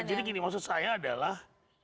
jadi gini maksud saya adalah